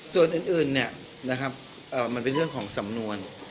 ส่วนอื่นเนี่ยนะครับมันเป็นเรื่องของสำนวน